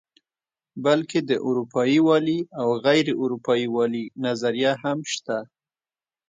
بلکې د اروپايي والي او غیر اروپايي والي نظریه هم شته.